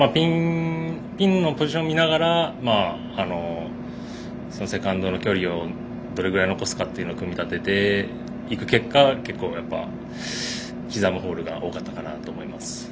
ピンのポジションを見ながらセカンドの距離をどれぐらい残すか組み立てていった結果刻むホールが多かったかなと思います。